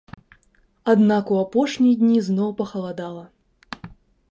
Аднак у апошнія дні зноў пахаладала.